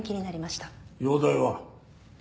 容体は？